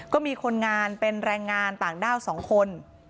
ก็มีคนงานเป็นแรงงานต่างด้าว๒คน